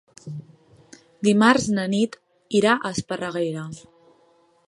Dimarts na Nit irà a Esparreguera.